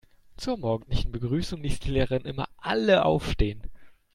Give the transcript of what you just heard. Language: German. Zur morgendlichen Begrüßung ließ die Lehrerin immer alle aufstehen.